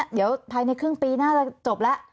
เดี๋ยวภายในครึ่งปีน่าจะจบแล้ว